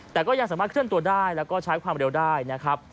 แต่ก็ยังสามารถเคลื่อนตัวได้แล้วก็ใช้ความเร็วได้นะครับ